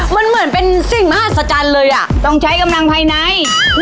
มันเหมือนเป็นสิ่งมหัศจรรย์เลยต้องใช้กำลังภายใน